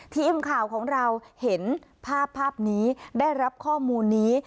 ทีมข่าวของเราเห็นภาพภาพนี้ได้รับข้อมูลนี้